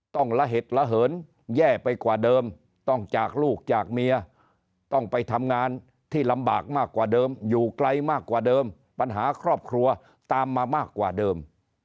ต้องระเห็ดระเหินแย่ไปกว่าเดิมต้องจากลูกจากเมียต้องไปทำงานที่ลำบากมากกว่าเดิมอยู่ไกลมากกว่าเดิมปัญหาครอบครัวตามมามากกว่าเดิม